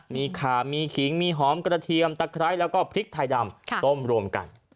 มีขามีขิงมีหอมกระเทียมตะไคร้แล้วก็พริกไทยดำต้มรวมกัน